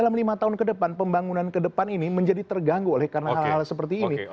dalam lima tahun ke depan pembangunan ke depan ini menjadi terganggu oleh karena hal hal seperti ini